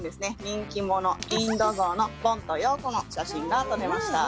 人気者インドゾウのボンとヨーコの写真が撮れました